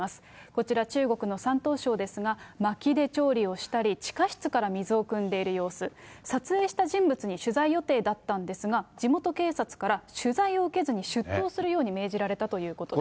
こちら、中国の山東省ですが、まきで調理をしたり、地下室から水をくんでいる様子、撮影した人物に取材予定だったんですが、地元警察から、取材を受けずに出頭するように命じられたということです。